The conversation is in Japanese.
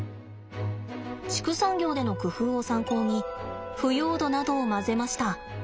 畜産業での工夫を参考に腐葉土などを混ぜました。